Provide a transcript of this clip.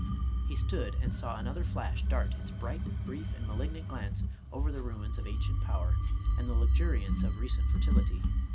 He stood and saw another flash dart its bright, brief, and malignant glance over the ruins of ancient power, and the luxuriance of recent fertility.